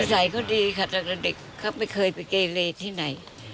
ใส่เขาดีค่ะแต่เด็กเขาไม่เคยไปเกเลที่ไหน